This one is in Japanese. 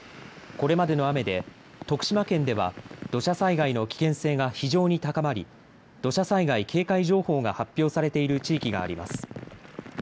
これまでの雨で徳島県では土砂災害の危険性が非常に高まり土砂災害警戒情報が発表されている地域があります。